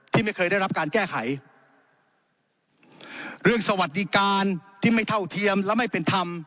ที่ไม่เคยได้รับการแก้ไขเรื่องสวัสดิการที่ไม่เท่าเทียมและไม่เป็นธรรม